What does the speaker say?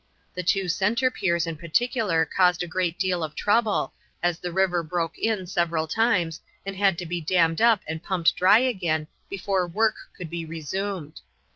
The two centre piers in particular caused a great deal of trouble, as the river broke in several times, and had to be dammed up and pumped dry again before work could be resumed.